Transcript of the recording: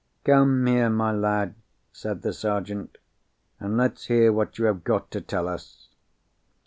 "Come here, my lad," said the Sergeant, "and let's hear what you have got to tell us."